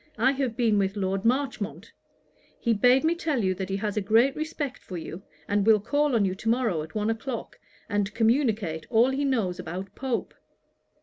I have been with Lord Marchmont. He bade me tell you he has a great respect for you, and will call on you to morrow at one o'clock, and communicate all he knows about Pope.'